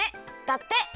だって。